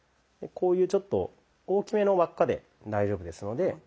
こういうちょっと大きめの輪っかで大丈夫ですので。